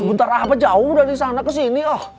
sebentar apa jauh udah disana kesini ah